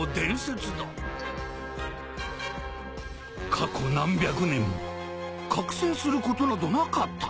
過去何百年も覚醒することなどなかった。